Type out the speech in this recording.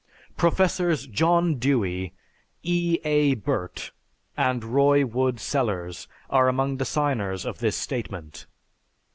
Professors John Dewey, E. A. Burtt, and Roy Wood Sellars are among the signers of this statement.